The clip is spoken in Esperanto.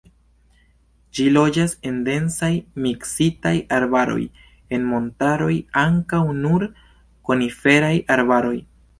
Ĝi loĝas en densaj, miksitaj arbaroj, en montaroj ankaŭ nur koniferaj arbaroj.